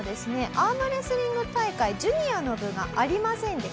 アームレスリング大会ジュニアの部がありませんでした。